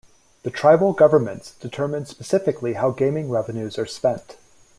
The tribal governments determine specifically how gaming revenues are spent.